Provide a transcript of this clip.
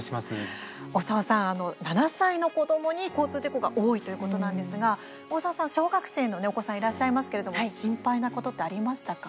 大沢さん、７歳の子どもに交通事故が多いということなんですが大沢さん、小学生のお子さんいらっしゃいますけれども心配なことってありましたか？